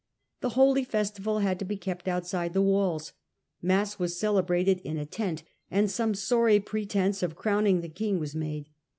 The holy festival had to be kept outside the walls. Mass was celebrated in a tent, and some sorry pretence of crowning the king was made.